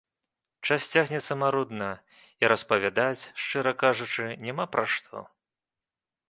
Час цягнецца марудна, і распавядаць, шчыра кажучы, няма пра што.